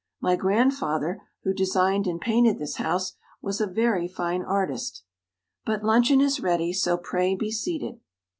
My grandfather, who designed and painted this house, was a very fine artist. But luncheon is ready, so pray be seated."